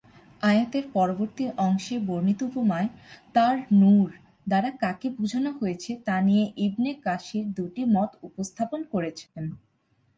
আয়াতের পরবর্তী অংশে বর্ণিত উপমায় "তাঁর নুর" দ্বারা কাকে বুঝানো হয়েছে তা নিয়ে ইবনে কাসির দুটি মত উপস্থাপন করেছেন।